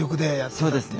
そうですね。